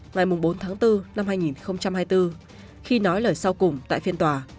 ngày bốn tháng bốn năm hai nghìn hai mươi bốn khi nói lời sau cùng tại phiên tòa